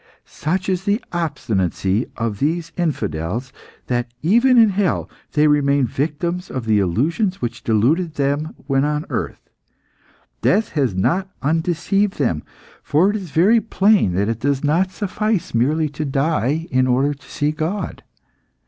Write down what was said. Such is the obstinacy of these infidels, that, even in hell, they remain victims of the illusions which deluded them when on earth. Death has not undeceived them; for it is very plain that it does not suffice merely to die in order to see God.